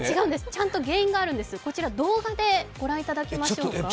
ちゃんと原因があるんです、動画で御覧いただきましょうか。